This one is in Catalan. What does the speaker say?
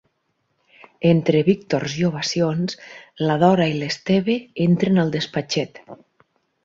Entre víctors i ovacions la Dora i l'Esteve entren al despatxet.